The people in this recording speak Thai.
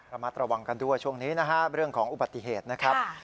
ระมัดระวังกันด้วยช่วงนี้นะฮะเรื่องของอุบัติเหตุนะครับ